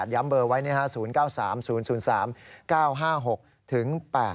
๙๕๖๘ย้ำเบอร์ไว้เนี่ยฮะ